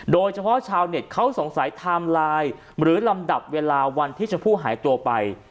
โดยเฉพาะชาวเน็ตเขาสงสัยไทม์ไลน์หรือลำดับเวลาวันที่ชมพู่หายตัวไป